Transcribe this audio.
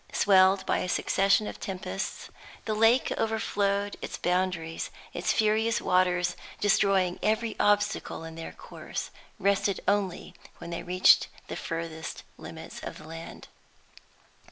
Swelled by a succession of tempests, the lake overflowed its boundaries: its furious waters, destroying every obstacle in their course, rested only when they reached the furthest limits of the land.